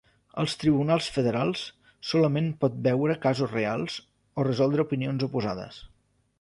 Els tribunals federals solament pot veure casos reals o resoldre opinions oposades.